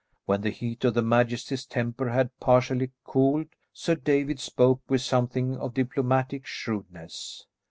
When the heat of his majesty's temper had partially cooled, Sir David spoke with something of diplomatic shrewdness.